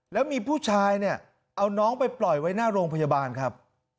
แล้วมีผู้ชายเนี่ยเอาน้องไปปล่อยไว้หน้าโรงพยาบาลครับ